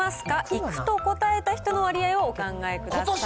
行くと答えた人の割合をお考えください。